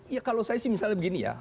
ya kalau saya sih misalnya begini ya